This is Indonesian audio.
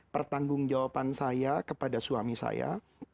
pertanggung jawaban saya kepada suami saya